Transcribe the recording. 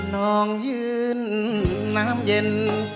น้องยืนน้ำเย็น